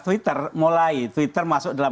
twitter mulai twitter masuk dalam